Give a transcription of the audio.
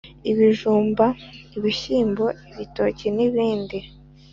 Ibijumba, ibishyimbo, ibitoki n’ibindi